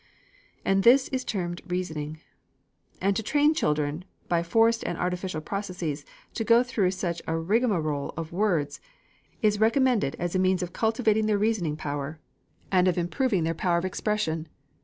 And this is termed reasoning! And to train children, by forced and artificial processes, to go through such a rigmarole of words, is recommended as a means of cultivating their reasoning power and of improving their power of expression!